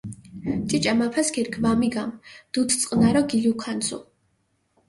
ჭიჭე მაფასქირქ ვამიგამჷ, დუდს წყჷნარო გილუქანცუ.